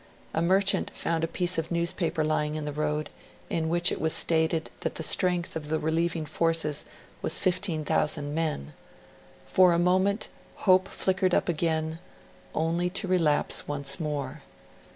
A merchant found a piece of newspaper lying in the road, in which it was stated that the strength of the relieving forces was 15,000 men. For a moment, hope flickered up again, only to relapse once more.